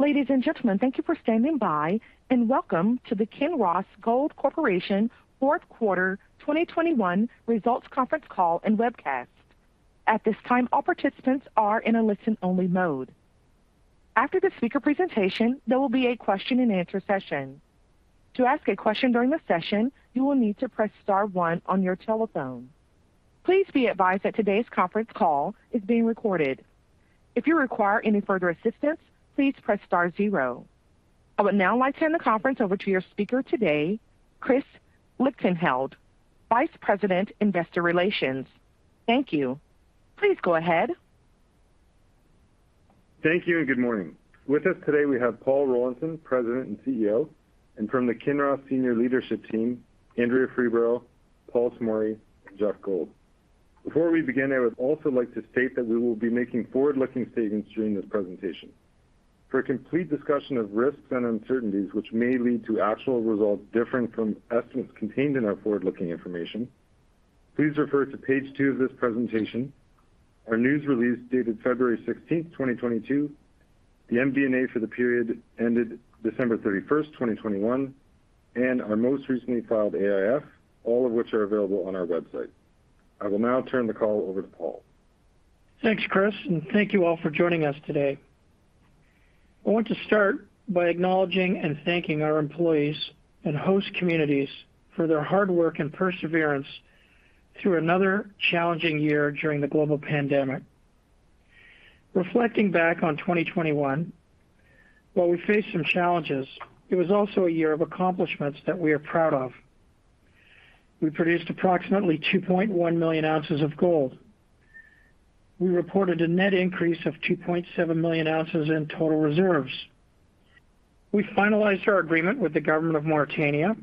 Ladies and gentlemen, thank you for standing by, and welcome to the Kinross Gold Corporation Fourth Quarter 2021 results conference call and webcast. At this time, all participants are in a listen-only mode. After the speaker presentation, there will be a question-and-answer session. To ask a question during the session, you will need to press star one on your telephone. Please be advised that today's conference call is being recorded. If you require any further assistance, please press star zero. I would now like to hand the conference over to your speaker today, Chris Lichtenheldt, Vice President, Investor Relations. Thank you. Please go ahead. Thank you and good morning. With us today we have Paul Rollinson, President and CEO, and from the Kinross senior leadership team, Andrea Freeborough, Paul Tomory, and Jeff Gold. Before we begin, I would also like to state that we will be making forward-looking statements during this presentation. For a complete discussion of risks and uncertainties which may lead to actual results different from estimates contained in our forward-looking information, please refer to page two of this presentation, our news release dated February 16, 2022, the MD&A for the period ended December 31, 2021, and our most recently filed AIF, all of which are available on our website. I will now turn the call over to Paul. Thanks, Chris, and thank you all for joining us today. I want to start by acknowledging and thanking our employees and host communities for their hard work and perseverance through another challenging year during the global pandemic. Reflecting back on 2021, while we faced some challenges, it was also a year of accomplishments that we are proud of. We produced approximately 2.1 million ounces of gold. We reported a net increase of 2.7 million ounces in total reserves. We finalized our agreement with the government of Mauritania.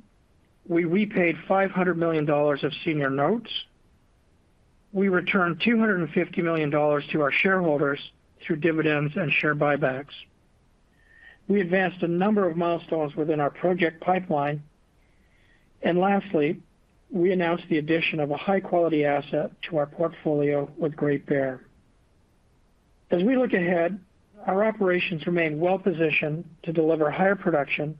We repaid $500 million of senior notes. We returned $250 million to our shareholders through dividends and share buybacks. We advanced a number of milestones within our project pipeline. Lastly, we announced the addition of a high quality asset to our portfolio with Great Bear. As we look ahead, our operations remain well positioned to deliver higher production,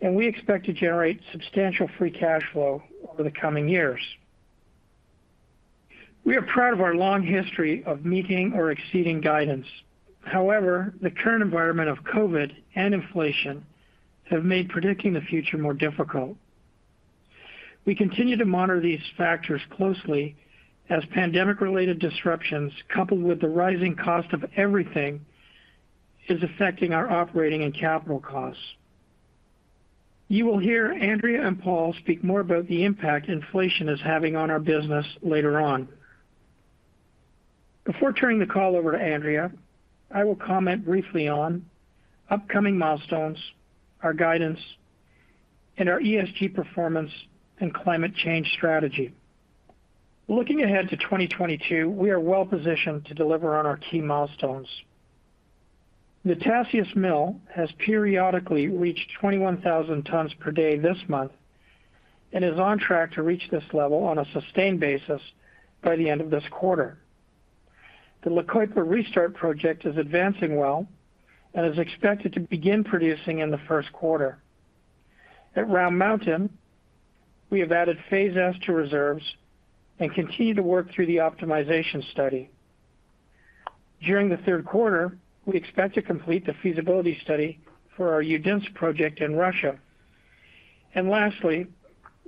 and we expect to generate substantial free cash flow over the coming years. We are proud of our long history of meeting or exceeding guidance. However, the current environment of COVID and inflation have made predicting the future more difficult. We continue to monitor these factors closely as pandemic-related disruptions, coupled with the rising cost of everything, is affecting our operating and capital costs. You will hear Andrea and Paul speak more about the impact inflation is having on our business later on. Before turning the call over to Andrea, I will comment briefly on upcoming milestones, our guidance, and our ESG performance and climate change strategy. Looking ahead to 2022, we are well positioned to deliver on our key milestones. The Tasiast mill has periodically reached 21,000 tons per day this month and is on track to reach this level on a sustained basis by the end of this quarter. The La Coipa restart project is advancing well and is expected to begin producing in the first quarter. At Round Mountain, we have added phase S to reserves and continue to work through the optimization study. During the third quarter, we expect to complete the feasibility study for our Udinsk project in Russia. Lastly,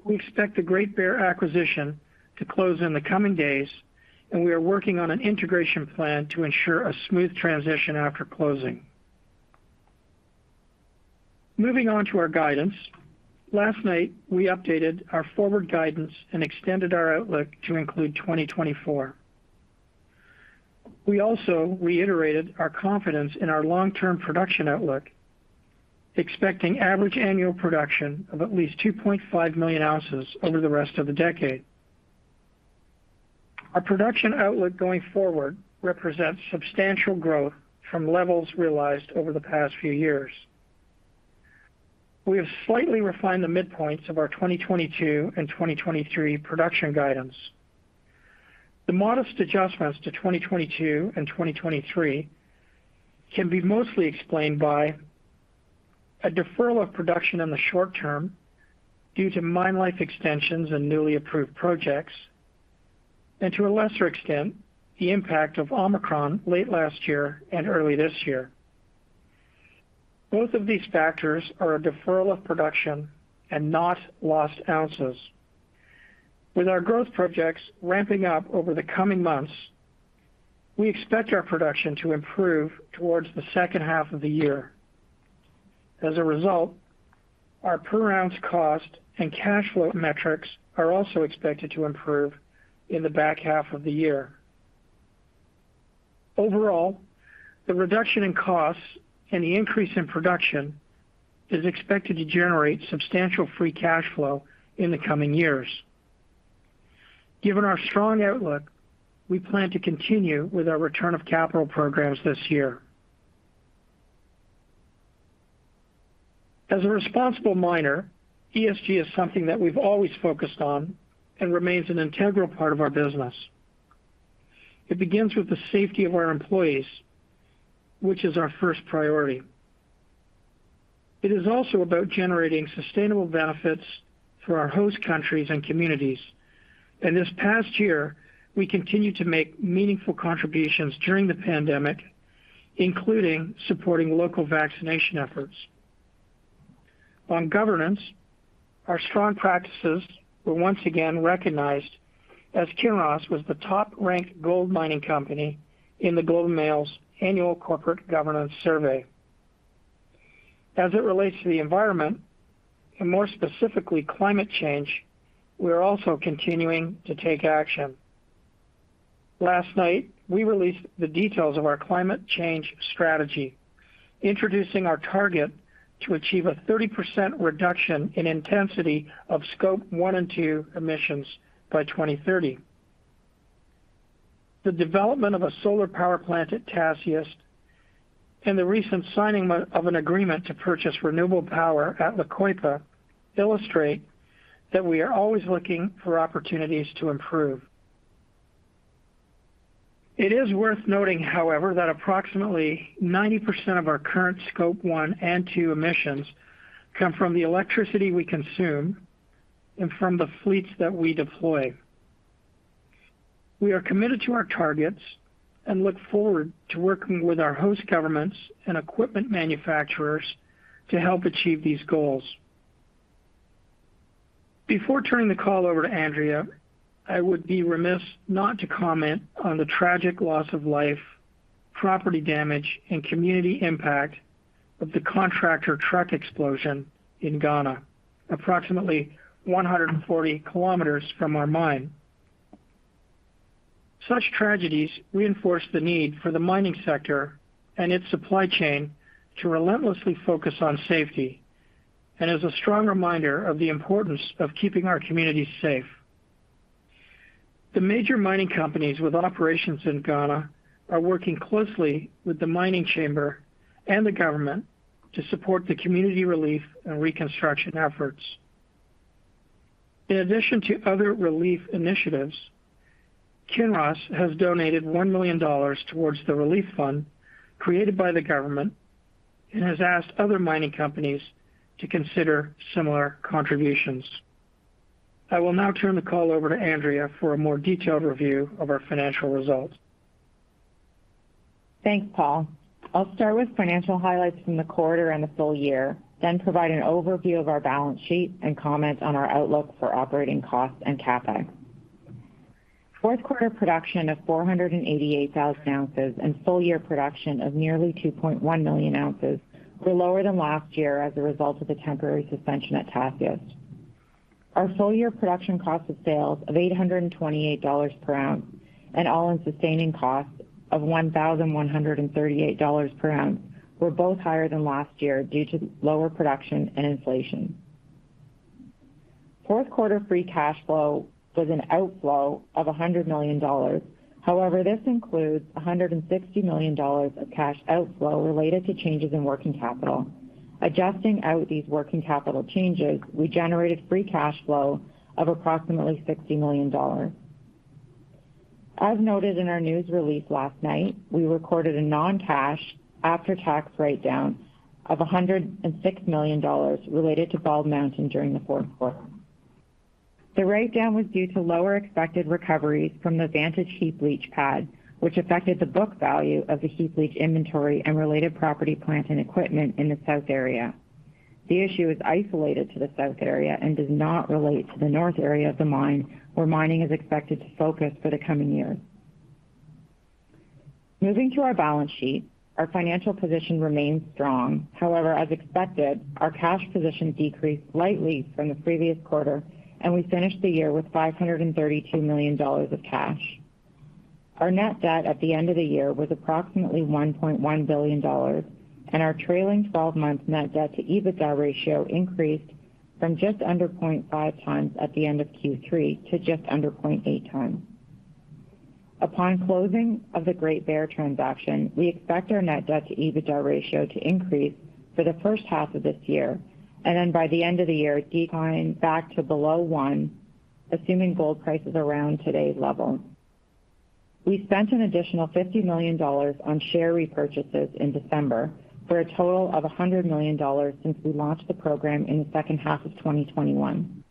we expect the Great Bear acquisition to close in the coming days, and we are working on an integration plan to ensure a smooth transition after closing. Moving on to our guidance. Last night, we updated our forward guidance and extended our outlook to include 2024. We also reiterated our confidence in our long-term production outlook, expecting average annual production of at least 2.5 million ounces over the rest of the decade. Our production outlook going forward represents substantial growth from levels realized over the past few years. We have slightly refined the midpoints of our 2022 and 2023 production guidance. The modest adjustments to 2022 and 2023 can be mostly explained by a deferral of production in the short term due to mine life extensions and newly approved projects, and to a lesser extent, the impact of Omicron late last year and early this year. Both of these factors are a deferral of production and not lost ounces. With our growth projects ramping up over the coming months, we expect our production to improve towards the second half of the year. As a result, our per ounce cost and cash flow metrics are also expected to improve in the back half of the year. Overall, the reduction in costs and the increase in production is expected to generate substantial free cash flow in the coming years. Given our strong outlook, we plan to continue with our return of capital programs this year. As a responsible miner, ESG is something that we've always focused on and remains an integral part of our business. It begins with the safety of our employees, which is our first priority. It is also about generating sustainable benefits for our host countries and communities. This past year, we continued to make meaningful contributions during the pandemic, including supporting local vaccination efforts. On governance, our strong practices were once again recognized as Kinross was the top-ranked gold mining company in The Globe and Mail's annual corporate governance survey. As it relates to the environment, and more specifically climate change, we are also continuing to take action. Last night, we released the details of our climate change strategy, introducing our target to achieve a 30% reduction in intensity of scope one and scope two emissions by 2030. The development of a solar power plant at Tasiast and the recent signing of an agreement to purchase renewable power at La Coipa illustrate that we are always looking for opportunities to improve. It is worth noting, however, that approximately 90% of our current scope one and scope two emissions come from the electricity we consume and from the fleets that we deploy. We are committed to our targets and look forward to working with our host governments and equipment manufacturers to help achieve these goals. Before turning the call over to Andrea, I would be remiss not to comment on the tragic loss of life, property damage, and community impact of the contractor truck explosion in Ghana, approximately 140 kilometers from our mine. Such tragedies reinforce the need for the mining sector and its supply chain to relentlessly focus on safety, and is a strong reminder of the importance of keeping our communities safe. The major mining companies with operations in Ghana are working closely with the mining chamber and the government to support the community relief and reconstruction efforts. In addition to other relief initiatives, Kinross has donated $1 million towards the relief fund created by the government and has asked other mining companies to consider similar contributions. I will now turn the call over to Andrea for a more detailed review of our financial results. Thanks, Paul. I'll start with financial highlights from the quarter and the full year, then provide an overview of our balance sheet and comment on our outlook for operating costs and CapEx. Fourth quarter production of 488,000 ounces and full year production of nearly 2.1 million ounces were lower than last year as a result of the temporary suspension at Tasiast. Our full year production cost of sales of $828 per ounce and all-in sustaining costs of $1,138 per ounce were both higher than last year due to lower production and inflation. Fourth quarter free cash flow was an outflow of $100 million. However, this includes $160 million of cash outflow related to changes in working capital. Adjusting out these working capital changes, we generated free cash flow of approximately $60 million. As noted in our news release last night, we recorded a non-cash after-tax write-down of $106 million related to Bald Mountain during the fourth quarter. The write-down was due to lower expected recoveries from the Vantage heap leach pad, which affected the book value of the heap leach inventory and related property, plant, and equipment in the South area. The issue is isolated to the South area and does not relate to the North area of the mine, where mining is expected to focus for the coming years. Moving to our balance sheet, our financial position remains strong. However, as expected, our cash position decreased slightly from the previous quarter, and we finished the year with $532 million of cash. Our net debt at the end of the year was approximately $1.1 billion, and our trailing twelve-month net debt to EBITDA ratio increased from just under 0.5 times at the end of Q3 to just under 0.8 times. Upon closing of the Great Bear transaction, we expect our net debt to EBITDA ratio to increase for the first half of this year, and then by the end of the year, decline back to below one, assuming gold price is around today's level. We spent an additional $50 million on share repurchases in December for a total of $100 million since we launched the program in the second half of 2021.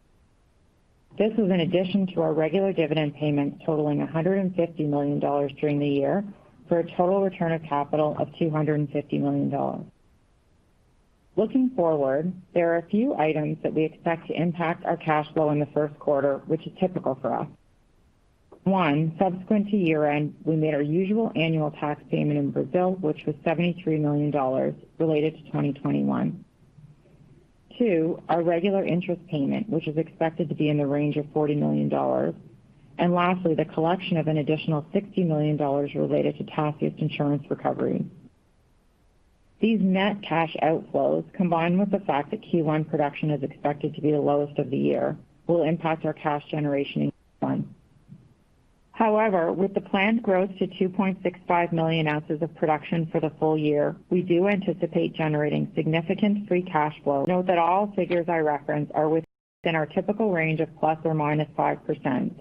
This is in addition to our regular dividend payments totaling $150 million during the year for a total return of capital of $250 million. Looking forward, there are a few items that we expect to impact our cash flow in the first quarter, which is typical for us. One, subsequent to year-end, we made our usual annual tax payment in Brazil, which was $73 million related to 2021. Two, our regular interest payment, which is expected to be in the range of $40 million. Lastly, the collection of an additional $60 million related to Tasiast insurance recovery. These net cash outflows, combined with the fact that Q1 production is expected to be the lowest of the year, will impact our cash generation in Q1. However, with the planned growth to 2.65 million ounces of production for the full year, we do anticipate generating significant free cash flow. Note that all figures I reference are within our typical range of ±5%.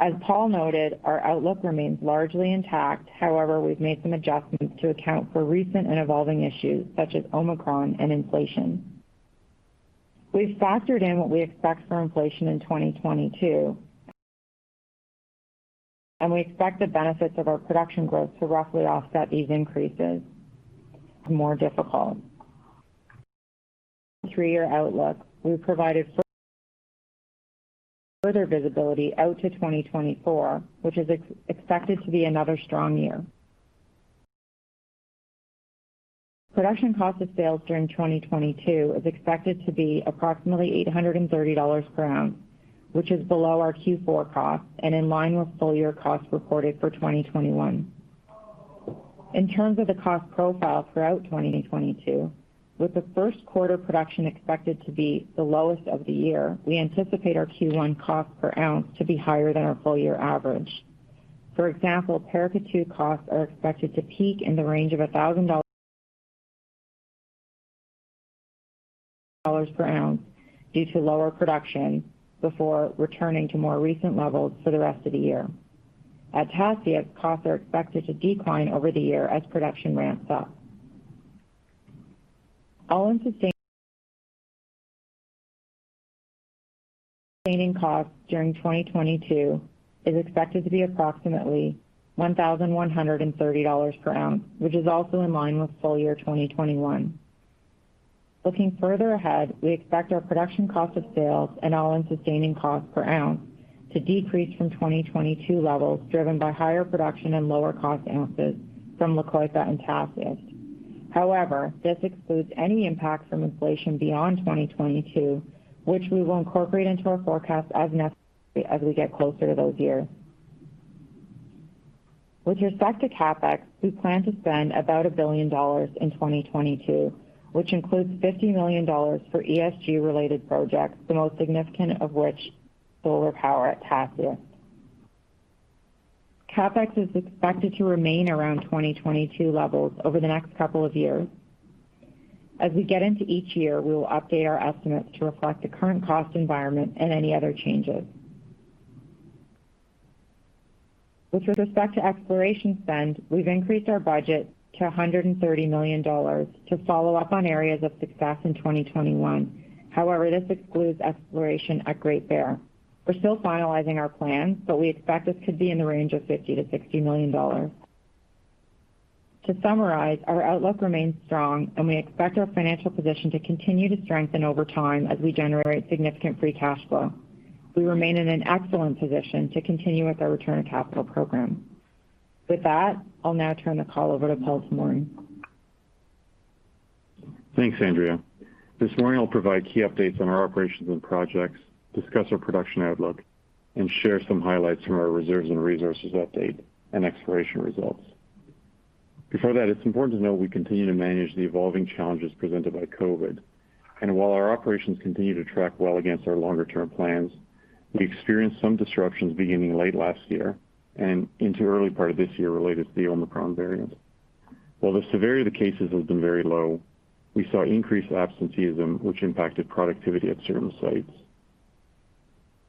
As Paul noted, our outlook remains largely intact. However, we've made some adjustments to account for recent and evolving issues such as Omicron and inflation. We've factored in what we expect for inflation in 2022. We expect the benefits of our production growth to roughly offset these increases. The three-year outlook is more difficult. We've provided further visibility out to 2024, which is expected to be another strong year. Production cost of sales during 2022 is expected to be approximately $830 per ounce, which is below our Q4 cost and in line with full year costs reported for 2021. In terms of the cost profile throughout 2022, with the first quarter production expected to be the lowest of the year, we anticipate our Q1 cost per ounce to be higher than our full year average. For example, Paracatu costs are expected to peak in the range of $1,000 per ounce due to lower production before returning to more recent levels for the rest of the year. At Tasiast, costs are expected to decline over the year as production ramps up. All-in sustaining costs during 2022 is expected to be approximately $1,130 per ounce, which is also in line with full year 2021. Looking further ahead, we expect our production cost of sales and all-in sustaining cost per ounce to decrease from 2022 levels driven by higher production and lower cost ounces from La Coipa and Tasiast. However, this excludes any impact from inflation beyond 2022, which we will incorporate into our forecast as necessary as we get closer to those years. With respect to CapEx, we plan to spend about $1 billion in 2022, which includes $50 million for ESG-related projects, the most significant of which is solar power at Tasiast. CapEx is expected to remain around 2022 levels over the next couple of years. As we get into each year, we will update our estimates to reflect the current cost environment and any other changes. With respect to exploration spend, we've increased our budget to $130 million to follow up on areas of success in 2021. However, this excludes exploration at Great Bear. We're still finalizing our plan, but we expect this could be in the range of $50 million-$60 million. To summarize, our outlook remains strong and we expect our financial position to continue to strengthen over time as we generate significant free cash flow. We remain in an excellent position to continue with our return of capital program. With that, I'll now turn the call over to Paul Tomory. Thanks, Andrea. This morning, I'll provide key updates on our operations and projects, discuss our production outlook, and share some highlights from our reserves and resources update and exploration results. Before that, it's important to note we continue to manage the evolving challenges presented by COVID. While our operations continue to track well against our longer term plans, we experienced some disruptions beginning late last year and into early part of this year related to the Omicron variant. While the severity of the cases has been very low, we saw increased absenteeism, which impacted productivity at certain sites.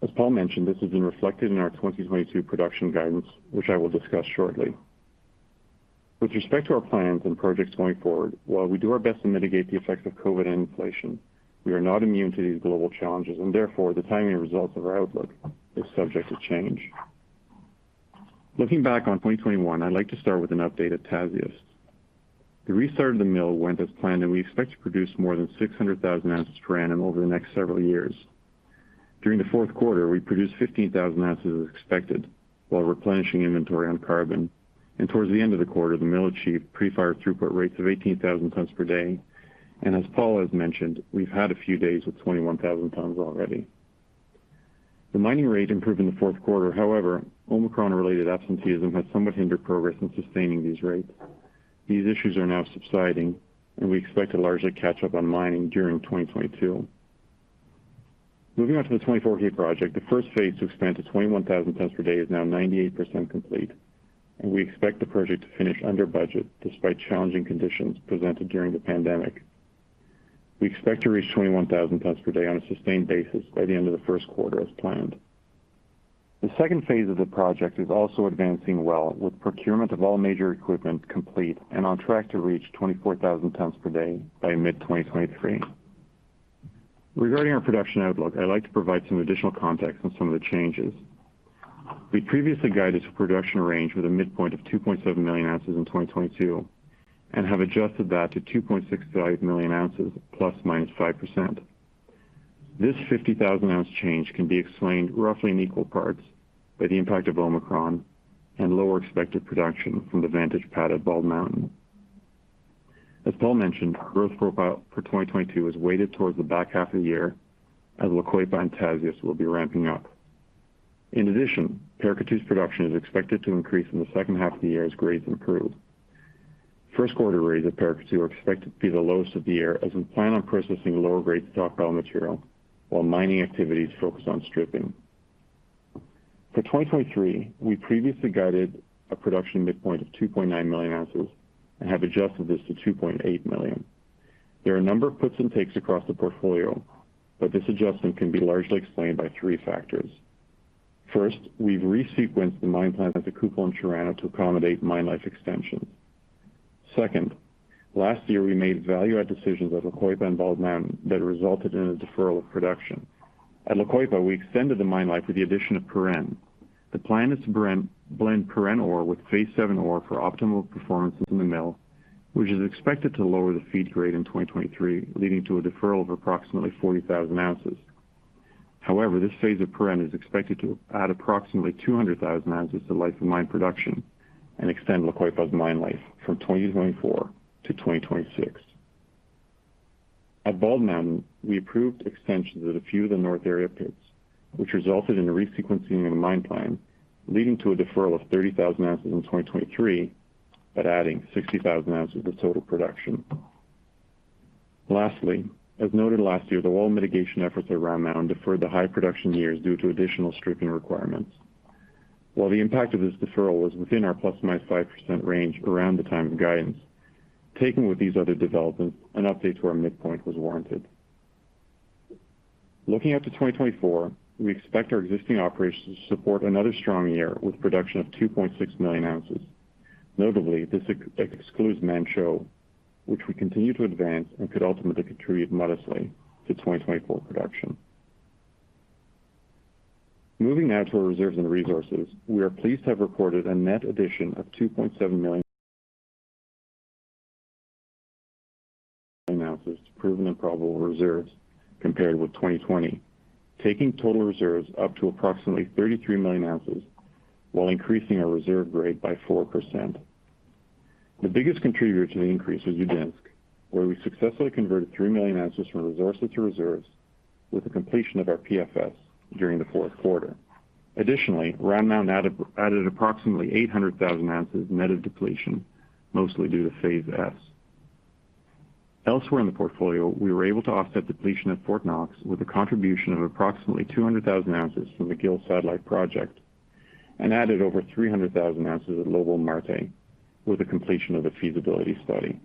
As Paul mentioned, this has been reflected in our 2022 production guidance, which I will discuss shortly. With respect to our plans and projects going forward, while we do our best to mitigate the effects of COVID and inflation, we are not immune to these global challenges, and therefore the timing and results of our outlook is subject to change. Looking back on 2021, I'd like to start with an update at Tasiast. The restart of the mill went as planned, and we expect to produce more than 600,000 ounces per annum over the next several years. During the fourth quarter, we produced 15,000 ounces as expected while replenishing inventory on carbon. Towards the end of the quarter, the mill achieved pre-fire throughput rates of 18,000 tons per day. As Paul has mentioned, we've had a few days with 21,000 tons already. The mining rate improved in the fourth quarter. However, Omicron related absenteeism has somewhat hindered progress in sustaining these rates. These issues are now subsiding and we expect to largely catch up on mining during 2022. Moving on to the 2040 project. The first phase to expand to 21,000 tons per day is now 98% complete, and we expect the project to finish under budget despite challenging conditions presented during the pandemic. We expect to reach 21,000 tons per day on a sustained basis by the end of the first quarter as planned. The second phase of the project is also advancing well, with procurement of all major equipment complete and on track to reach 24,000 tons per day by mid-2023. Regarding our production outlook, I'd like to provide some additional context on some of the changes. We previously guided production range with a midpoint of 2.7 million ounces in 2022 and have adjusted that to 2.65 million ounces ±5%. This 50,000-ounce change can be explained roughly in equal parts by the impact of Omicron and lower expected production from the Vantage pad at Bald Mountain. As Paul mentioned, our growth profile for 2022 is weighted towards the back half of the year as La Coipa and Tasiast will be ramping up. In addition, Paracatu's production is expected to increase in the second half of the year as grades improve. First-quarter rates at Paracatu are expected to be the lowest of the year as we plan on processing lower-grade stockpile material while mining activities focus on stripping. For 2023, we previously guided a production midpoint of 2.9 million ounces and have adjusted this to 2.8 million. There are a number of puts and takes across the portfolio, but this adjustment can be largely explained by three factors. First, we've re-sequenced the mine plan at the Kupol and Chirano to accommodate mine life extensions. Second, last year, we made value add decisions at La Coipa and Bald Mountain that resulted in a deferral of production. At La Coipa, we extended the mine life with the addition of Purén. The plan is to blend Purén ore with phase VII ore for optimal performance in the mill, which is expected to lower the feed grade in 2023, leading to a deferral of approximately 40,000 ounces. However, this phase of Purén is expected to add approximately 200,000 ounces to life of mine production and extend La Coipa's mine life from 2024 to 2026. At Bald Mountain, we approved extensions at a few of the north area pits, which resulted in a re-sequencing of the mine plan, leading to a deferral of 30,000 ounces in 2023, but adding 60,000 ounces of total production. Lastly, as noted last year, the wall mitigation efforts around Round Mountain deferred the high production years due to additional stripping requirements. While the impact of this deferral was within our plus or minus 5% range around the time of guidance, taken with these other developments, an update to our midpoint was warranted. Looking out to 2024, we expect our existing operations to support another strong year with production of 2.6 million ounces. Notably, this excludes Manh Choh, which we continue to advance and could ultimately contribute modestly to 2024 production. Moving now to our reserves and resources, we are pleased to have reported a net addition of 2.7 million ounces to proven and probable reserves compared with 2020, taking total reserves up to approximately 33 million ounces while increasing our reserve grade by 4%. The biggest contributor to the increase was Udinsk, where we successfully converted three million ounces from resources to reserves with the completion of our PFS during the fourth quarter. Additionally, Round Mountain added approximately 800,000 ounces net of depletion, mostly due to phase S. Elsewhere in the portfolio, we were able to offset depletion at Fort Knox with a contribution of approximately 200,000 ounces from the Gil Satellite project and added over 300,000 ounces at Lobo-Marte with the completion of the feasibility study.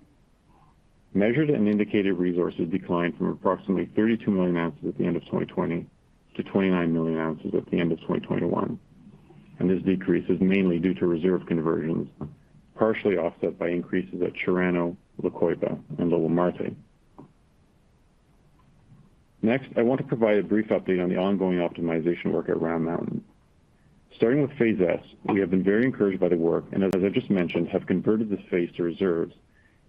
Measured and indicated resources declined from approximately 32 million ounces at the end of 2020 to 29 million ounces at the end of 2021. This decrease is mainly due to reserve conversions, partially offset by increases at Chirano, La Coipa and Lobo-Marte. Next, I want to provide a brief update on the ongoing optimization work at Round Mountain. Starting with phase S, we have been very encouraged by the work and as I just mentioned, have converted this phase to reserves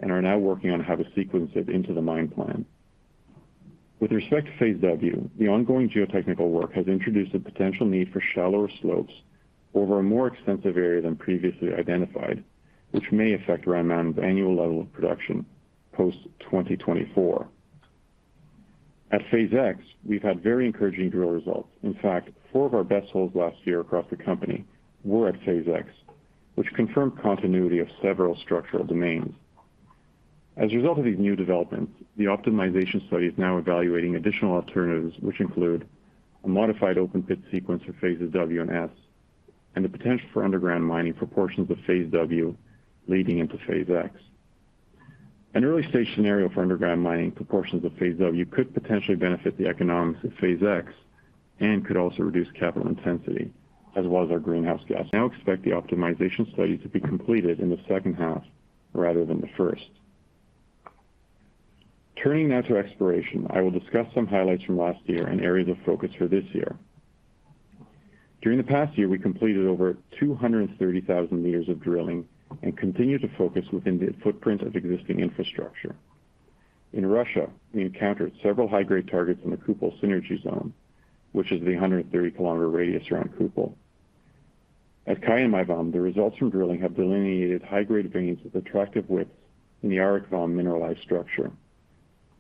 and are now working on how to sequence it into the mine plan. With respect to phase W, the ongoing geotechnical work has introduced a potential need for shallower slopes over a more extensive area than previously identified, which may affect Round Mountain's annual level of production post 2024. At phase X, we've had very encouraging drill results. In fact, four of our best holes last year across the company were at phase X, which confirmed continuity of several structural domains. As a result of these new developments, the optimization study is now evaluating additional alternatives, which include a modified open pit sequence for phases W and S and the potential for underground mining proportions of phase W leading into phase X. An early stage scenario for underground mining proportions of phase W could potentially benefit the economics of phase X and could also reduce capital intensity as well as our greenhouse gas. Now expect the optimization study to be completed in the second half rather than the first. Turning now to exploration, I will discuss some highlights from last year and areas of focus for this year. During the past year, we completed over 230,000 meters of drilling and continue to focus within the footprint of existing infrastructure. In Russia, we encountered several high-grade targets in the Kupol Synergy Zone, which is the 130-kilometer radius around Kupol. At Kayenmyvaam, the results from drilling have delineated high-grade veins with attractive widths in the Auricvan mineralized structure.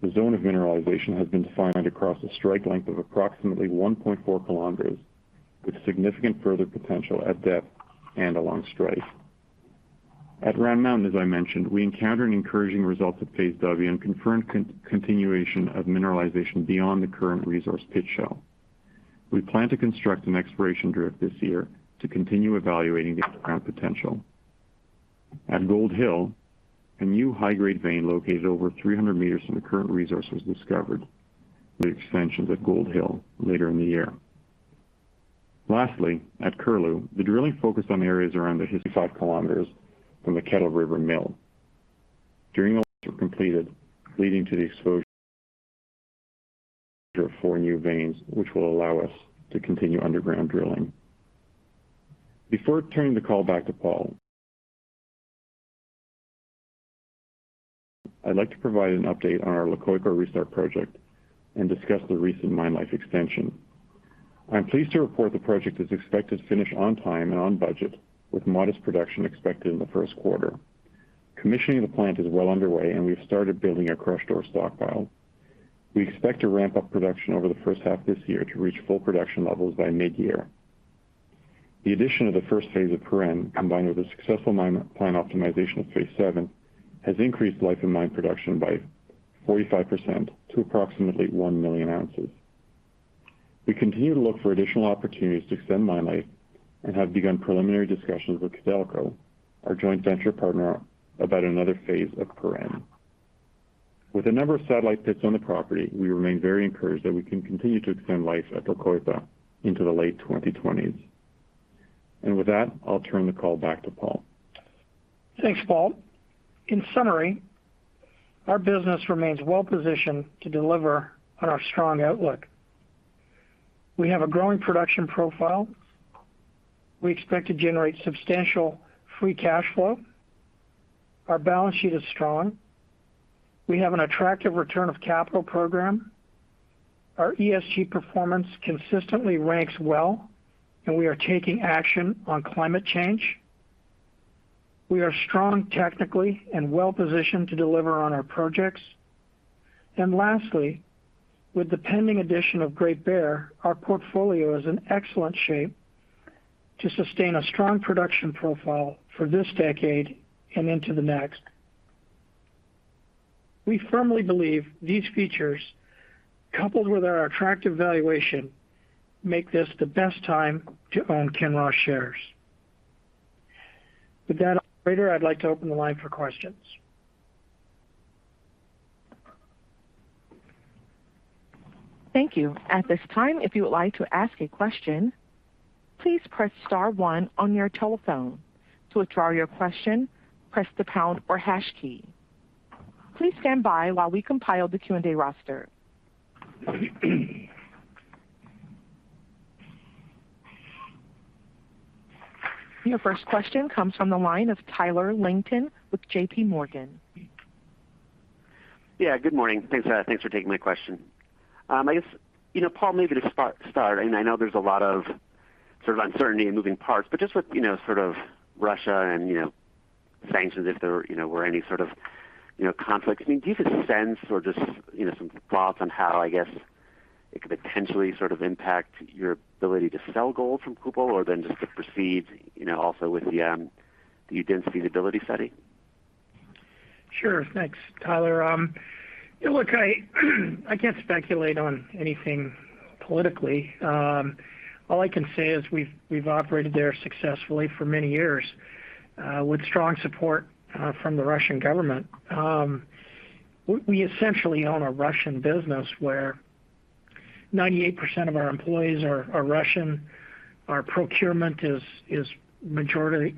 The zone of mineralization has been defined across a strike length of approximately 1.4 kilometers with significant further potential at depth and along strike. At Round Mountain, as I mentioned, we encountered encouraging results at phase W and confirmed continuation of mineralization beyond the current resource pit shell. We plan to construct an exploration drift this year to continue evaluating the underground potential. At Gold Hill, a new high-grade vein located over 300 meters from the current resource was discovered with extensions at Gold Hill later in the year. Lastly, at Curlew, the drilling focused on areas around the 55 kilometers from the Kettle River Mill. Drillings were completed, leading to the exposure of four new veins, which will allow us to continue underground drilling. Before turning the call back to Paul, I'd like to provide an update on our La Coipa restart project and discuss the recent mine life extension. I'm pleased to report the project is expected to finish on time and on budget, with modest production expected in the first quarter. Commissioning of the plant is well underway and we've started building a crush ore stockpile. We expect to ramp up production over the first half this year to reach full production levels by mid-year. The addition of the first phase of Purén, combined with a successful mine plan optimization of phase VII, has increased life-of-mine production by 45% to approximately one million ounces. We continue to look for additional opportunities to extend mine life and have begun preliminary discussions with Codelco, our joint venture partner, about another phase of Purén. With a number of satellite pits on the property, we remain very encouraged that we can continue to extend life at La Coipa into the late 2020s. With that, I'll turn the call back to Paul. Thanks, Paul. In summary, our business remains well positioned to deliver on our strong outlook. We have a growing production profile. We expect to generate substantial free cash flow. Our balance sheet is strong. We have an attractive return of capital program. Our ESG performance consistently ranks well, and we are taking action on climate change. We are strong technically and well positioned to deliver on our projects. Lastly, with the pending addition of Great Bear, our portfolio is in excellent shape to sustain a strong production profile for this decade and into the next. We firmly believe these features, coupled with our attractive valuation, make this the best time to own Kinross shares. With that, operator, I'd like to open the line for questions. Your first question comes from the line of Tyler Langton with JPMorgan. Yeah, good morning. Thanks, thanks for taking my question. I guess, you know, Paul, maybe to start, I mean, I know there's a lot of sort of uncertainty and moving parts, but just with, you know, sort of Russia and, you know, sanctions, if there, you know, were any sort of, you know, conflict. I mean, do you get a sense or just, you know, some thoughts on how, I guess, it could potentially sort of impact your ability to sell gold from Kupol or then just the proceeds, you know, also with the Udinsk feasibility study? Sure. Thanks, Tyler. Look, I can't speculate on anything politically. All I can say is we've operated there successfully for many years with strong support from the Russian government. We essentially own a Russian business where 98% of our employees are Russian. Our procurement is majority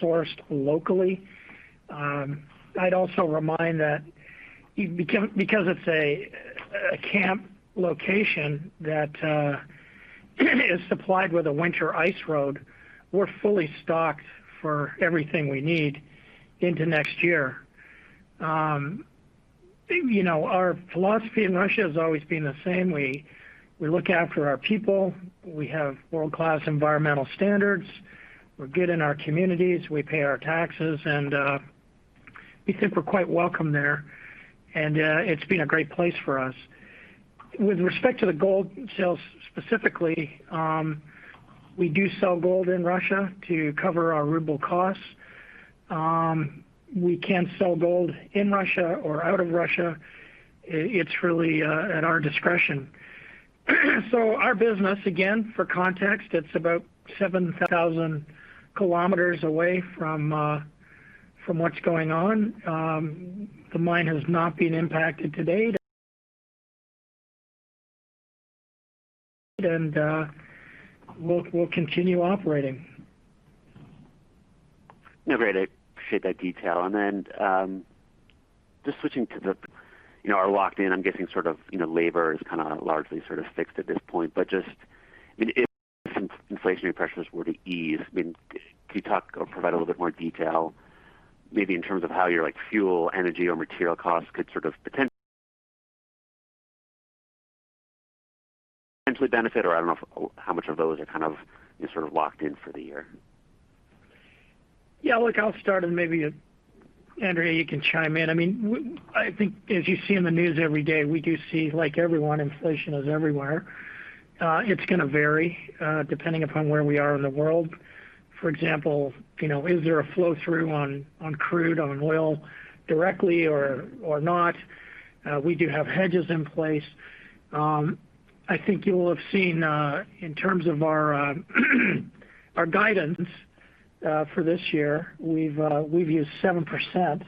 sourced locally. I'd also remind that because it's a camp location that is supplied with a winter ice road, we're fully stocked for everything we need into next year. You know, our philosophy in Russia has always been the same. We look after our people. We have world-class environmental standards. We're good in our communities. We pay our taxes, and we think we're quite welcome there. It's been a great place for us. With respect to the gold sales specifically, we do sell gold in Russia to cover our ruble costs. We can sell gold in Russia or out of Russia. It's really at our discretion. Our business, again, for context, it's about 7,000 km away from what's going on. The mine has not been impacted to date, and we'll continue operating. No, great. I appreciate that detail. Just switching to the, you know, our locked in, I'm guessing sort of, you know, labor is kinda largely sorta fixed at this point. Just, I mean, if inflationary pressures were to ease, I mean, could you talk or provide a little bit more detail maybe in terms of how your, like, fuel, energy, or material costs could sort of potentially benefit, or I don't know how much of those are kind of just sort of locked in for the year? Yeah, look, I'll start, and maybe, Andrea, you can chime in. I mean, I think as you see in the news every day, we do see, like everyone, inflation is everywhere. It's gonna vary, depending upon where we are in the world. For example, you know, is there a flow-through on crude, on oil directly or not? We do have hedges in place. I think you will have seen, in terms of our guidance, for this year, we've used 7%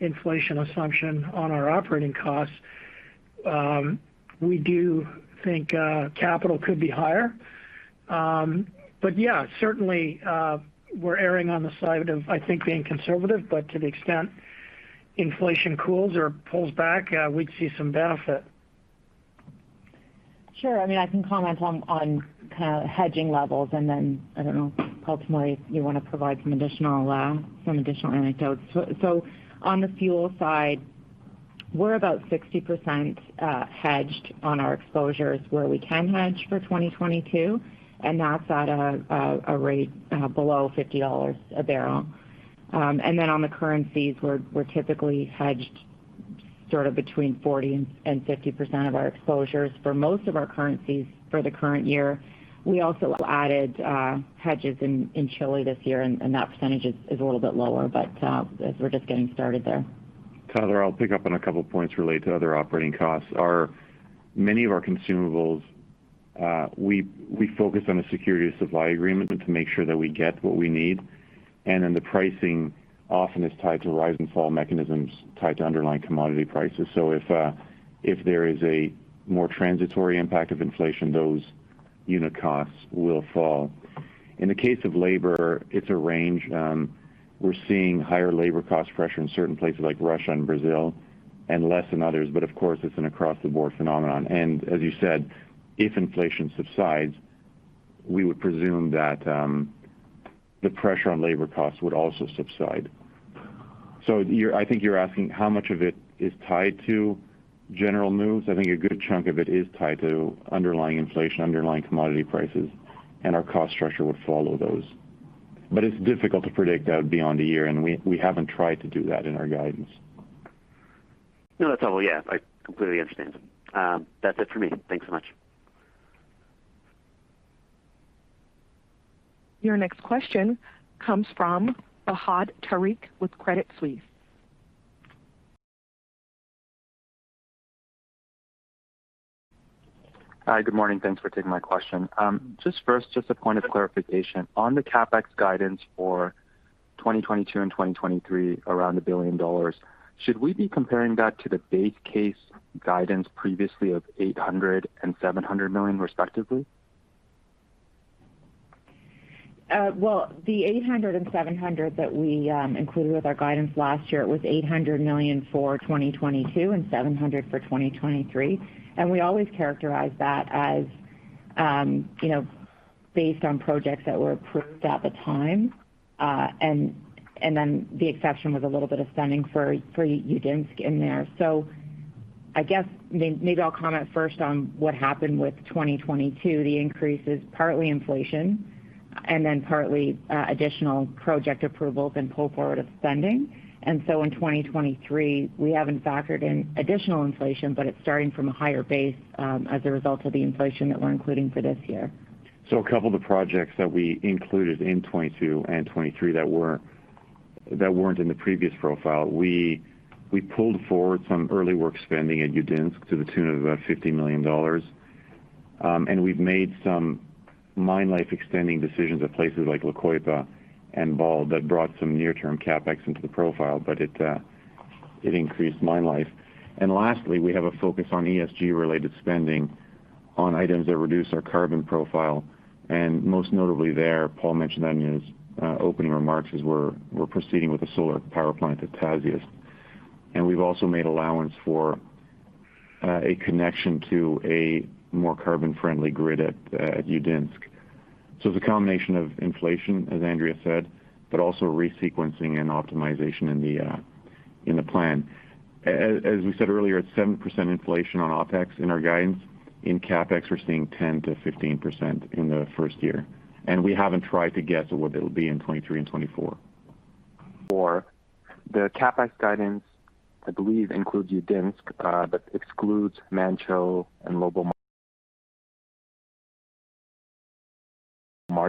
inflation assumption on our operating costs. We do think capital could be higher. But yeah, certainly, we're erring on the side of, I think, being conservative, but to the extent inflation cools or pulls back, we'd see some benefit. Sure. I mean, I can comment on kinda hedging levels, and then I don't know, Paul, tomorrow if you want to provide some additional anecdotes. On the fuel side, we're about 60% hedged on our exposures where we can hedge for 2022, and that's at a rate below $50 a barrel. On the currencies, we're typically hedged Sort of between 40% and 50% of our exposures for most of our currencies for the current year. We also added hedges in Chile this year, and that percentage is a little bit lower, but as we're just getting started there. Tyler, I'll pick up on a couple points related to other operating costs. Many of our consumables, we focus on a security of supply agreement and to make sure that we get what we need. Then the pricing often is tied to rise and fall mechanisms tied to underlying commodity prices. If there is a more transitory impact of inflation, those unit costs will fall. In the case of labor, it's a range. We're seeing higher labor cost pressure in certain places like Russia and Brazil and less than others, but of course, it's an across the board phenomenon. As you said, if inflation subsides, we would presume that the pressure on labor costs would also subside. I think you're asking how much of it is tied to general moves. I think a good chunk of it is tied to underlying inflation, underlying commodity prices, and our cost structure would follow those. It's difficult to predict out beyond a year, and we haven't tried to do that in our guidance. No, that's all. Yeah, I completely understand. That's it for me. Thanks so much. Your next question comes from Fahad Tariq with Credit Suisse. Hi. Good morning. Thanks for taking my question. Just first, a point of clarification. On the CapEx guidance for 2022 and 2023 around $1 billion, should we be comparing that to the base case guidance previously of $800 million and $700 million respectively? Well, the 800 and 700 that we included with our guidance last year, it was $800 million for 2022 and $700 million for 2023. We always characterize that as, you know, based on projects that were approved at the time. And then the exception was a little bit of spending for Udinsk in there. I guess maybe I'll comment first on what happened with 2022. The increase is partly inflation and then partly additional project approvals and pull forward of spending. In 2023, we haven't factored in additional inflation, but it's starting from a higher base as a result of the inflation that we're including for this year. A couple of the projects that we included in 2022 and 2023 that weren't in the previous profile, we pulled forward some early work spending at Udinsk to the tune of about $50 million. We've made some mine life extending decisions at places like La Coipa and Bald that brought some near-term CapEx into the profile, but it increased mine life. Lastly, we have a focus on ESG-related spending on items that reduce our carbon profile. Most notably there, Paul mentioned that in his opening remarks is that we're proceeding with a solar power plant at Tasiast. We've also made allowance for a connection to a more carbon-friendly grid at Udinsk. It's a combination of inflation, as Andrea said, but also resequencing and optimization in the plan. As we said earlier, it's 7% inflation on OpEx in our guidance. In CapEx, we're seeing 10%-15% in the first year, and we haven't tried to guess what it'll be in 2023 and 2024. For the CapEx guidance, I believe includes Udinsk, but excludes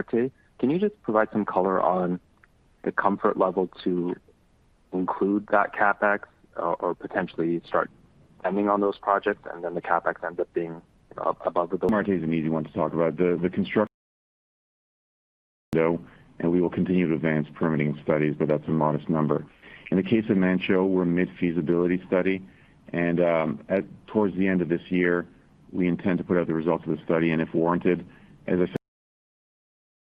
Manh Choh and Lobo-Marte. Can you just provide some color on the comfort level to include that CapEx or potentially start spending on those projects, and then the CapEx ends up being up above the- Martabe is an easy one to talk about. The construction and we will continue to advance permitting studies, but that's a modest number. In the case of Manh Choh, we're mid-feasibility study and towards the end of this year, we intend to put out the results of the study and if warranted, as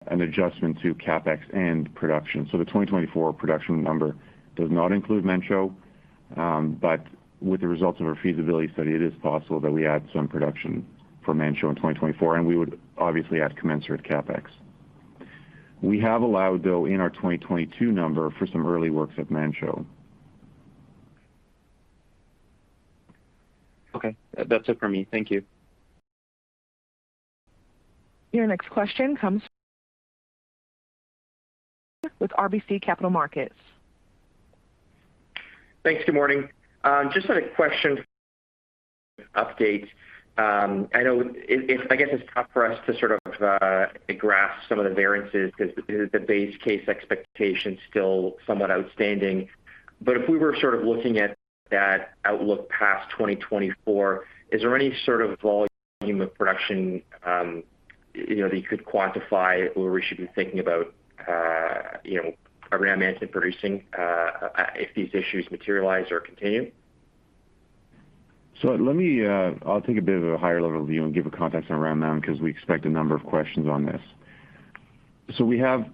I said, an adjustment to CapEx and production. The 2024 production number does not include Manh Choh, but with the results of our feasibility study, it is possible that we add some production for Manh Choh in 2024, and we would obviously add commensurate CapEx. We have allowed, though, in our 2022 number for some early works at Manh Choh. Okay. That's it for me. Thank you. Your next question comes with RBC Capital Markets. Thanks. Good morning. Just had a question update. I know it's tough for us to sort of grasp some of the variances 'cause the base case expectation still somewhat outstanding. If we were sort of looking at that outlook past 2024, is there any sort of volume of production, you know, that you could quantify or we should be thinking about, you know, around Manh Choh producing, if these issues materialize or continue? Let me, I'll take a bit of a higher level view and give a context around them because we expect a number of questions on this. We have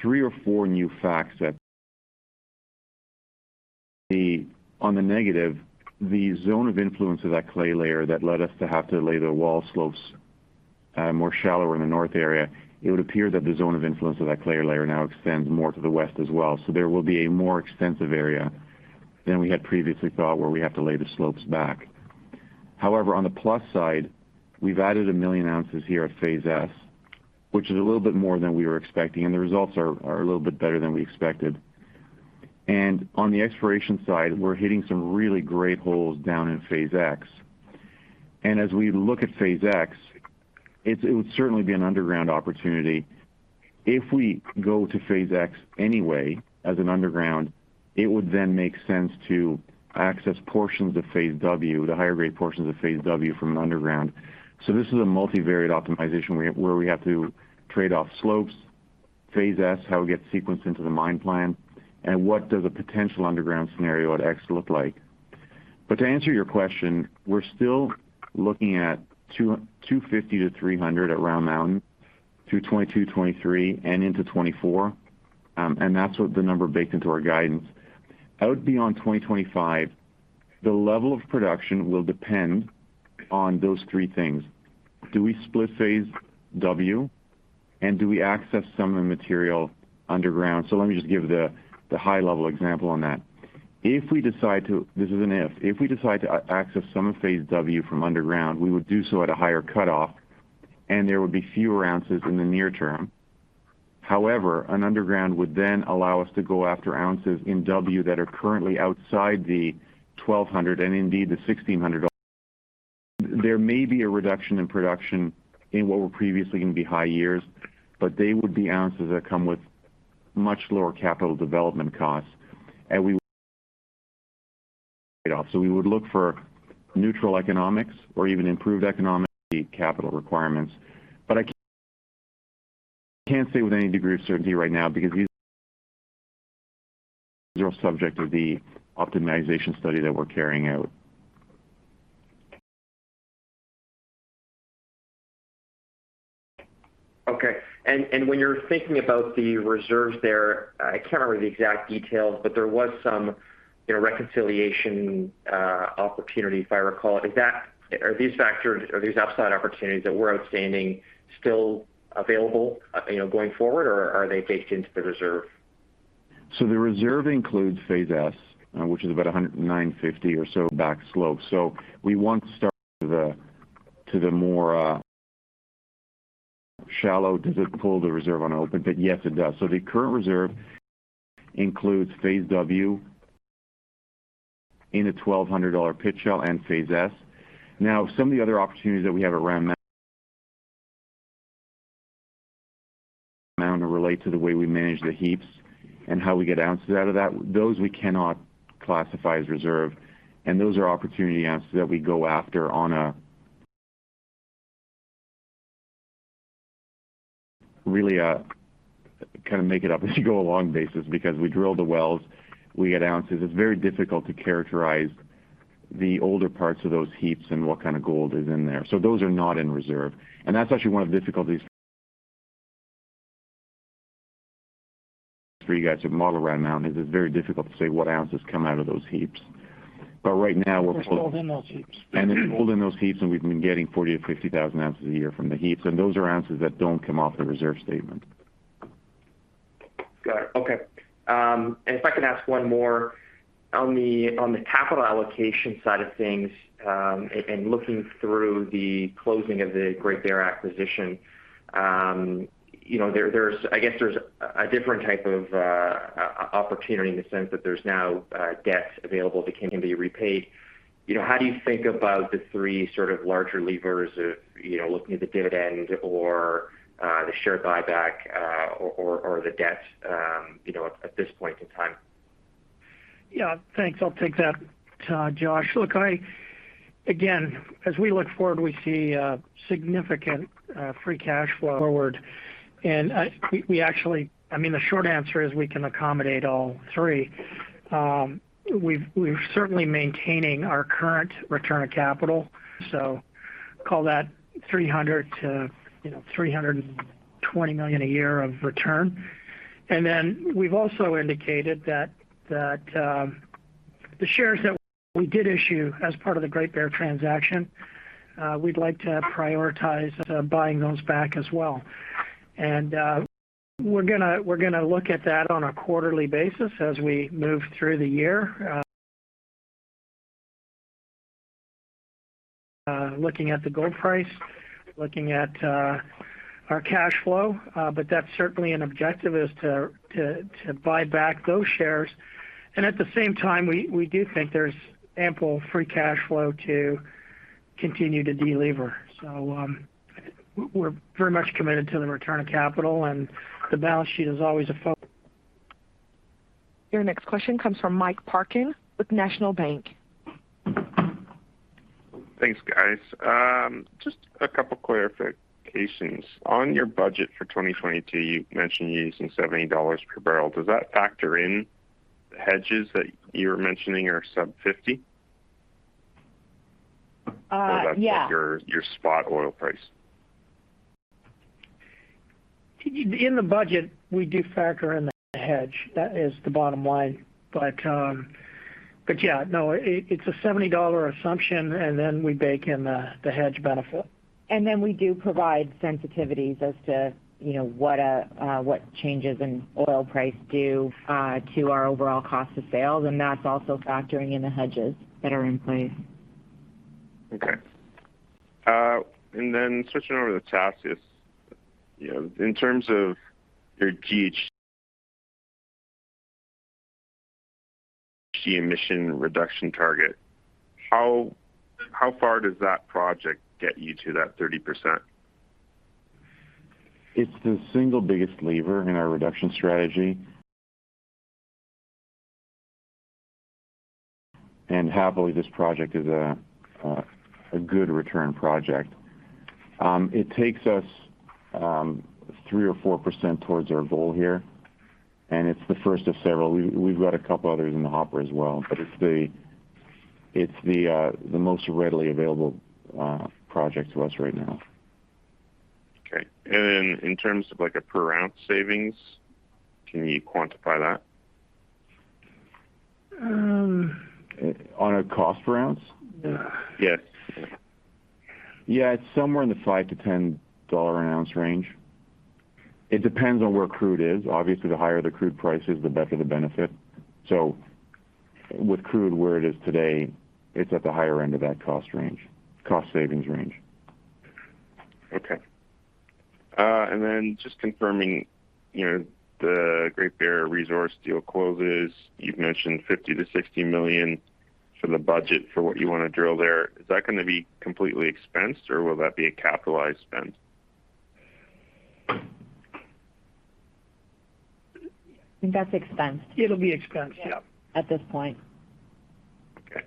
three or four new facts. On the negative, the zone of influence of that clay layer that led us to have to lay the wall slopes more shallower in the north area, it would appear that the zone of influence of that clay layer now extends more to the west as well. There will be a more extensive area than we had previously thought, where we have to lay the slopes back. However, on the plus side, we've added 1 million ounces here at phase S, which is a little bit more than we were expecting, and the results are a little bit better than we expected. On the exploration side, we're hitting some really great holes down in phase X. As we look at phase X, it would certainly be an underground opportunity. If we go to phase X anyway as an underground, it would then make sense to access portions of phase W, the higher grade portions of phase W from an underground. This is a multivariate optimization where we have to trade off slopes, phase S, how it gets sequenced into the mine plan, and what does a potential underground scenario at X look like. To answer your question, we're still looking at 250-300 at Round Mountain through 2022, 2023, and into 2024, and that's what the number baked into our guidance. Out beyond 2025, the level of production will depend on those three things. Do we split phase W, and do we access some of the material underground? Let me just give the high level example on that. If we decide to access some of phase W from underground, we would do so at a higher cutoff, and there would be fewer ounces in the near term. However, an underground would then allow us to go after ounces in W that are currently outside the 1,200 and indeed the 1,600. There may be a reduction in production in what were previously going to be high years, but they would be ounces that come with much lower capital development costs. We trade-off. We would look for neutral economics or even improved economics, the capital requirements. I can't say with any degree of certainty right now because these are subject of the optimization study that we're carrying out. Okay. When you're thinking about the reserves there, I can't remember the exact details, but there was some, you know, reconciliation opportunity, if I recall. Are these upside opportunities that were outstanding still available, you know, going forward, or are they baked into the reserve? The reserve includes phase S, which is about 10,950 or so back slope. We want to start to the more shallow to pull the reserve on open. But yes, it does. The current reserve includes phase W in a $1,200 pit shell and phase S. Now, some of the other opportunities that we have at Round Mountain relate to the way we manage the heaps and how we get ounces out of that. Those we cannot classify as reserve, and those are opportunity ounces that we go after on a really kind of make it up as you go along basis because we drill the wells, we get ounces. It's very difficult to characterize the older parts of those heaps and what kind of gold is in there. Those are not in reserve. That's actually one of the difficulties for you guys to model Round Mountain, is it's very difficult to say what ounces come out of those heaps. Right now, we're- There's gold in those heaps. There's gold in those heaps, and we've been getting 40,000-50,000 ounces a year from the heaps, and those are ounces that don't come off the reserve statement. Got it. Okay. If I can ask one more. On the capital allocation side of things, and looking through the closing of the Great Bear acquisition, you know, there's, I guess, a different type of opportunity in the sense that there's now debt available that can be repaid. You know, how do you think about the three sort of larger levers of, you know, looking at the dividend or the share buyback, or the debt, you know, at this point in time? Yeah. Thanks. I'll take that, Josh. Look, again, as we look forward, we see significant free cash flow forward. We actually, I mean, the short answer is we can accommodate all three. We're certainly maintaining our current return of capital, so call that $300 million-$320 million a year of return. Then we've also indicated that the shares that we did issue as part of the Great Bear transaction, we'd like to prioritize buying those back as well. We're gonna look at that on a quarterly basis as we move through the year, looking at the gold price, looking at our cash flow. That's certainly an objective to buy back those shares. At the same time, we do think there's ample free cash flow to continue to delever. We're very much committed to the return of capital, and the balance sheet is always a fo- Your next question comes from Mike Parkin with National Bank. Thanks, guys. Just a couple clarifications. On your budget for 2022, you mentioned using $70 per barrel. Does that factor in the hedges that you were mentioning are sub $50? Yeah. That's like your spot oil price. In the budget, we do factor in the hedge. That is the bottom line. It's a $70 assumption, and then we bake in the hedge benefit. We do provide sensitivities as to, you know, what changes in oil price do to our overall cost of sales, and that's also factoring in the hedges that are in place. Okay. Switching over to Tasiast. You know, in terms of your GHG emission reduction target, how far does that project get you to that 30%? It's the single biggest lever in our reduction strategy. Happily, this project is a good return project. It takes us 3%-4% towards our goal here, and it's the first of several. We've got a couple others in the hopper as well, but it's the most readily available project to us right now. Okay. In terms of, like, a per-ounce savings, can you quantify that? On a cost per ounce? Yes. Yeah. It's somewhere in the $5-$10 an ounce range. It depends on where crude is. Obviously, the higher the crude price is, the better the benefit. With crude where it is today, it's at the higher end of that cost range, cost savings range. Okay. Just confirming, you know, the Great Bear Resources deal closes. You've mentioned $50 million-$60 million for the budget for what you wanna drill there. Is that gonna be completely expensed, or will that be a capitalized spend? That's expensed. It'll be expensed, yep. At this point. Okay.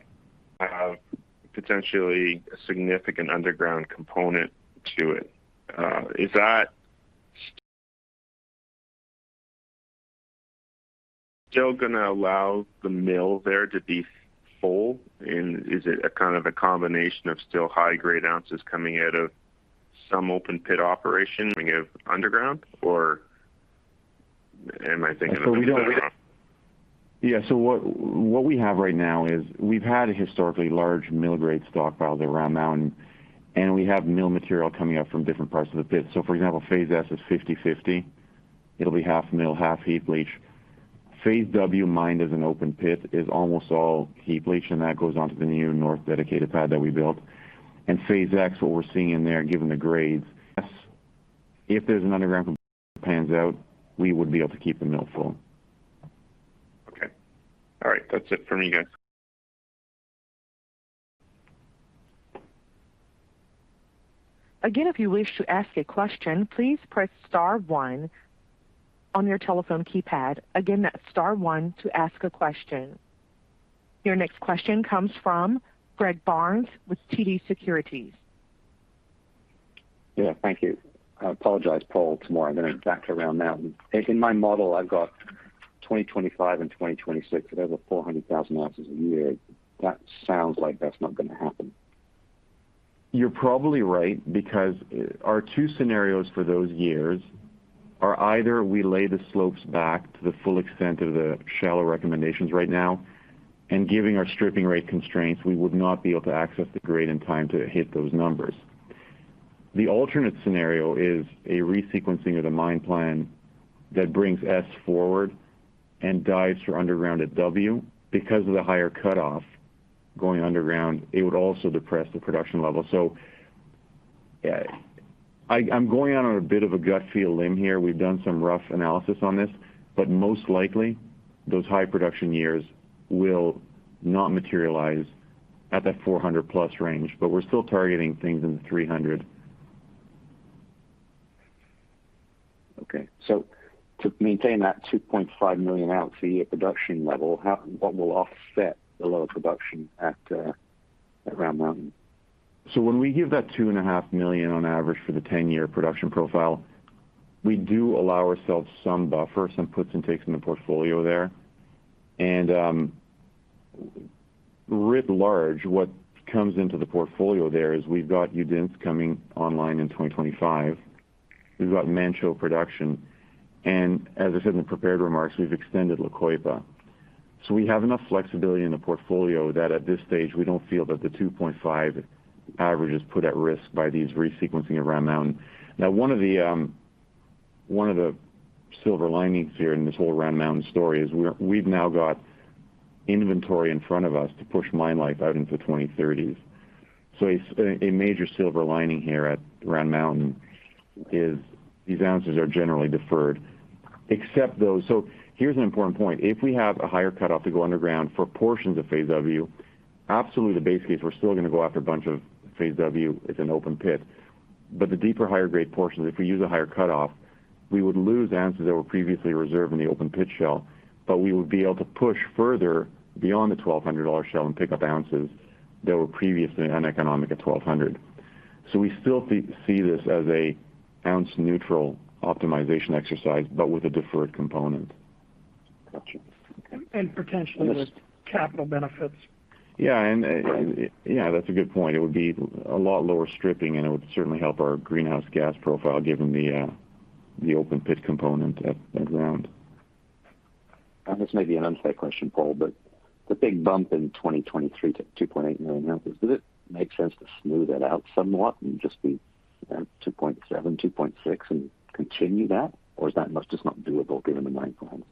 Potentially a significant underground component to it. Is that still gonna allow the mill there to be full, and is it a kind of a combination of still high-grade ounces coming out of some open pit operation of underground, or am I thinking about that wrong? Yeah. What we have right now is we've had a historically large mill-grade stockpile there Round Mountain, and we have mill material coming up from different parts of the pit. For example, phase S is 50/50. It'll be half mill, half heap leach. Phase W mined as an open pit is almost all heap leach, and that goes onto the new north dedicated pad that we built. Phase X, what we're seeing in there, given the grades, yes, if there's an underground that pans out, we would be able to keep the mill full. Okay. All right. That's it for me, guys. If you wish to ask a question, please press star one on your telephone keypad. That's star one to ask a question. Your next question comes from Greg Barnes with TD Securities. Yeah, thank you. I apologize, Paul, tomorrow I'm gonna back around that one. In my model, I've got 2025 and 2026 with over 400,000 ounces a year. That sounds like that's not gonna happen. You're probably right because our two scenarios for those years are either we lay the slopes back to the full extent of the shallow recommendations right now, and giving our stripping rate constraints, we would not be able to access the grade in time to hit those numbers. The alternate scenario is a resequencing of the mine plan that brings S forward and dives for underground at W. Because of the higher cutoff going underground, it would also depress the production level. I'm going out on a bit of a gut feel limb here. We've done some rough analysis on this, but most likely those high production years will not materialize at that 400+ range, but we're still targeting things in the 300. To maintain that 2.5 million ounce a year production level, what will offset the lower production at Round Mountain? When we give that 2.5 million on average for the 10-year production profile, we do allow ourselves some buffer, some puts and takes in the portfolio there. Writ large, what comes into the portfolio there is we've got Udinsk coming online in 2025. We've got Manh Choh production. As I said in the prepared remarks, we've extended La Coipa. We have enough flexibility in the portfolio that at this stage we don't feel that the 2.5 average is put at risk by these resequencing of Round Mountain. Now one of the silver linings here in this whole Round Mountain story is we've now got inventory in front of us to push mine life out into 2030s. A major silver lining here at Round Mountain is these ounces are generally deferred, except those. Here's an important point. If we have a higher cutoff to go underground for portions of phase W, absolutely the base case, we're still gonna go after a bunch of phase W as an open pit. But the deeper, higher grade portions, if we use a higher cutoff, we would lose ounces that were previously reserved in the open pit shell, but we would be able to push further beyond the $1,200 shell and pick up ounces that were previously uneconomic at $1,200. We still see this as an ounce-neutral optimization exercise, but with a deferred component. Gotcha. potentially with capital benefits. Yeah. Yeah, that's a good point. It would be a lot lower stripping, and it would certainly help our greenhouse gas profile given the open pit component at Round. This may be an unfair question, Paul, but the big bump in 2023 to 2.8 million ounces, does it make sense to smooth it out somewhat and just be about 2.7, 2.6 and continue that? Or is that much just not doable given the mine plans?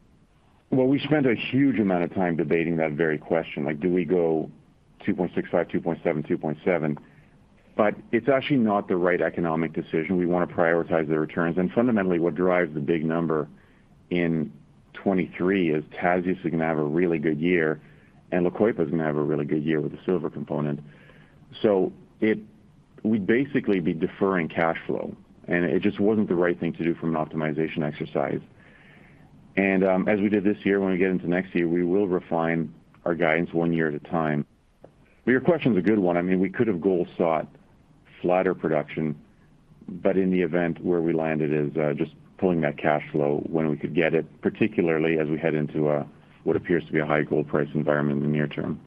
Well, we spent a huge amount of time debating that very question, like, do we go 2.65, 2.7, 2.7? It's actually not the right economic decision. We want to prioritize the returns. Fundamentally, what drives the big number in 2023 is Tasiast is going to have a really good year, and La Coipa is going to have a really good year with the silver component. We'd basically be deferring cash flow, and it just wasn't the right thing to do from an optimization exercise. As we did this year, when we get into next year, we will refine our guidance one year at a time. Your question is a good one. I mean, we could have goal sought flatter production, but in the event where we landed is just pulling that cash flow when we could get it, particularly as we head into what appears to be a high gold price environment in the near term.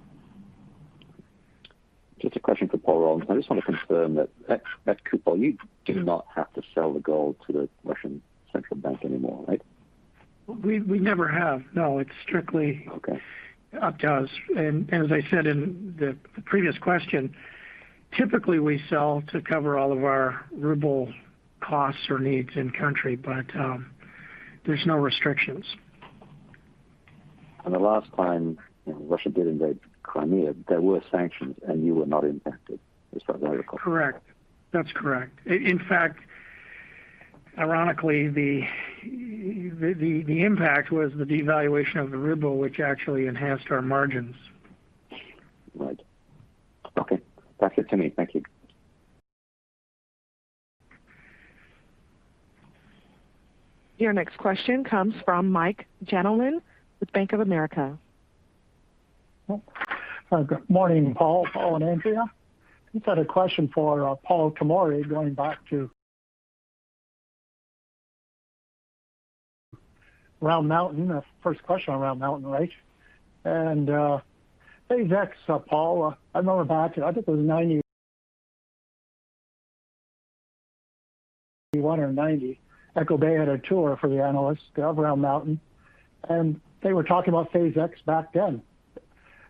Just a question for Paul Rollinson. I just want to confirm that at Kupol, you do not have to sell the gold to the Russian Central Bank anymore, right? We never have. No, it's strictly- Okay. Up to us. As I said in the previous question, typically we sell to cover all of our ruble costs or needs in country, but there's no restrictions. The last time, you know, Russia did invade Crimea, there were sanctions and you were not impacted, is what I recall. Correct. That's correct. In fact, ironically, the impact was the devaluation of the ruble, which actually enhanced our margins. Right. Okay. Pass it to me. Thank you. Your next question comes from Michael Jalonen with Bank of America. Good morning, Paul and Andrea. Just had a question for Paul Tomory going back to Round Mountain. First question on Round Mountain, right? Phase X, Paul. I remember back in, I think it was 1991 or 1990, Echo Bay had a tour for the analysts of Round Mountain, and they were talking about phase X back then.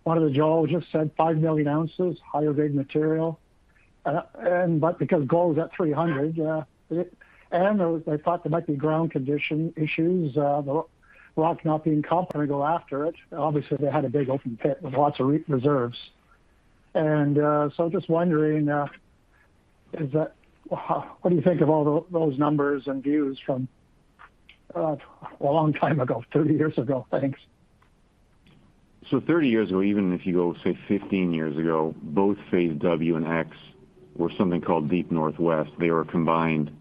One of the geologists said 5 million ounces, higher grade material. But because gold was at $300, it. They thought there might be ground condition issues, the rock not being competent to go after it. Obviously, they had a big open pit with lots of reserves. I'm just wondering, is that. What do you think of all those numbers and views from a long time ago, 30 years ago? Thanks. Thirty years ago, even if you go, say, 15 years ago, both phase W and X were something called Deep Northwest. They were combined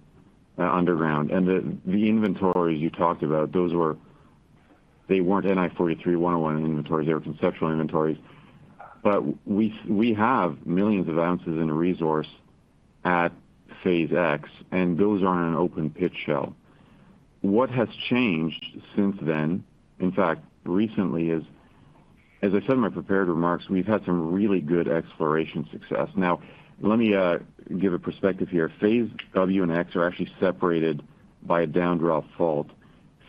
underground. The inventory you talked about, those weren't NI 43-101 inventories, they were conceptual inventories. We have millions of ounces in a resource at phase X, and those are on an open pit shell. What has changed since then, in fact, recently is, as I said in my prepared remarks, we've had some really good exploration success. Now, let me give a perspective here. Phase W and X are actually separated by a down drop fault.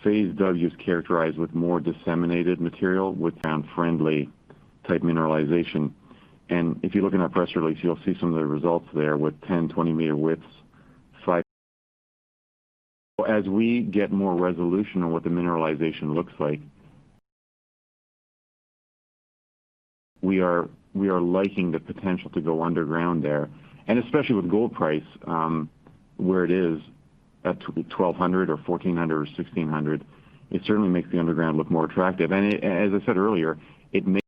Phase W is characterized with more disseminated material with down friendly type mineralization. If you look in our press release, you'll see some of the results there with 10, 20-meter widths, five As we get more resolution on what the mineralization looks like, we are liking the potential to go underground there. Especially with gold price, where it is at $1,200 or $1,400 or $1,600, it certainly makes the underground look more attractive. As I said earlier, it may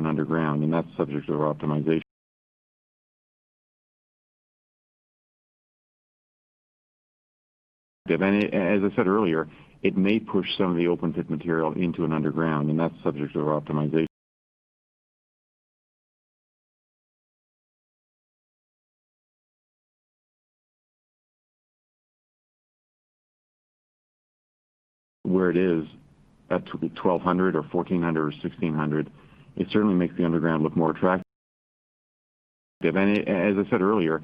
go underground, and that's subject to our optimization. As I said earlier, it may push some of the open pit material into an underground, and that's subject to our optimization. Where it is at $1,200 or $1,400 or $1,600, it certainly makes the underground look more attractive. As I said earlier.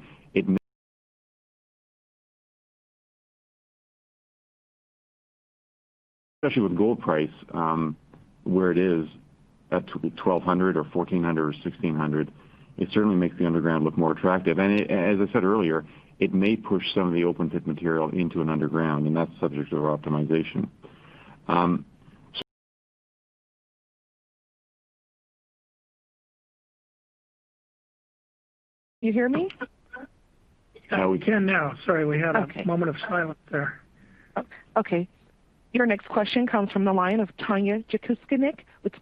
Especially with gold price, where it is at $1,200 or $1,400 or $1,600, it certainly makes the underground look more attractive. As I said earlier, it may push some of the open pit material into an underground, and that's subject to our optimization. Can you hear me? We can now. Okay. A moment of silence there. Okay. Your next question comes from the line of Tanya Jakusconek with